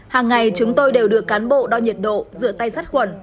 hàng ngày chúng tôi đều được cán bộ đo nhiệt độ rửa tay sát khuẩn